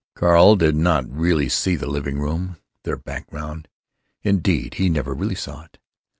Carl did not really see the living room, their background. Indeed, he never really saw it.